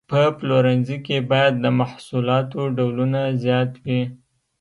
په پلورنځي کې باید د محصولاتو ډولونه زیات وي.